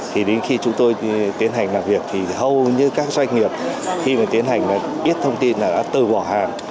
thì đến khi chúng tôi tiến hành làm việc thì hầu như các doanh nghiệp khi mà tiến hành biết thông tin là đã từ bỏ hàng